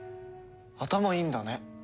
頭いいんだね。